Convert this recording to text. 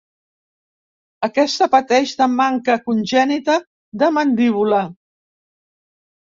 Aquesta pateix de manca congènita de mandíbula.